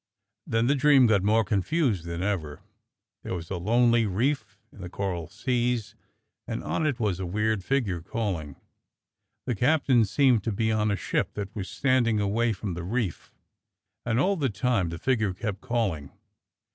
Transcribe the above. Then the dream got more confused than ever. There was a lonely reef in the coral seas, and on it was a weird figure calling. The captain seemed to be on a ship that was standing away from the reef, and all the time the figure kept calling.